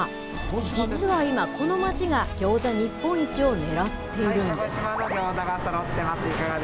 実は今、この街が、ギョーザ日本一をねらっているんです。